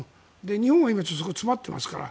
日本は今、詰まっていますから。